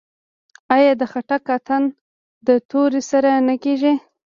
آیا د خټک اتن د تورې سره نه کیږي؟